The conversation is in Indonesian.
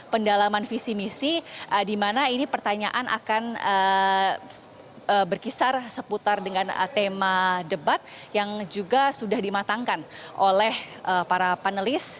pendalaman visi misi di mana ini pertanyaan akan berkisar seputar dengan tema debat yang juga sudah dimatangkan oleh para panelis